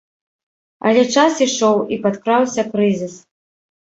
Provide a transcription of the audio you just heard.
Але час ішоў і падкраўся крызіс.